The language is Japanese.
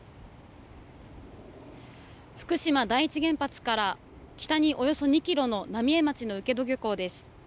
福島第一原発から北におよそ２キロの浪江町の請戸漁港です。